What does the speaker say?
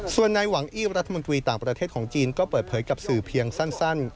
ส่วนนายหวังอี้รัฐมนตรีต่างประเทศของจีนก็เปิดเผยกับสื่อเพียงสั้น